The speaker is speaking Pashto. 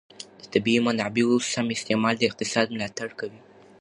د طبیعي منابعو سم استعمال د اقتصاد ملاتړ کوي.